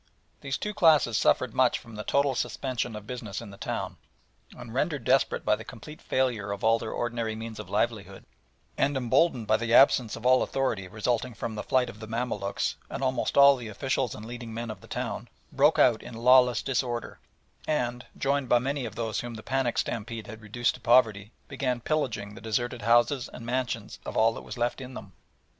These two classes suffered much from the total suspension of business in the town, and rendered desperate by the complete failure of all their ordinary means of livelihood, and emboldened by the absence of all authority resulting from the flight of the Mamaluks and almost all the officials and leading men of the town, broke out in lawless disorder, and, joined by many of those whom the panic stampede had reduced to poverty, began pillaging the deserted houses and mansions of all that was left in them.